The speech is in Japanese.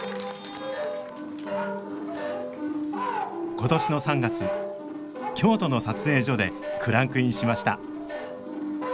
今年の３月京都の撮影所でクランクインしました